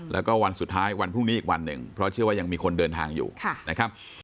แล้วก็วันสุดท้ายวันพรุ่งนี้อีกวันหนึ่งเพราะเชื่อว่ายังมีคนเดินทางอยู่นะครับ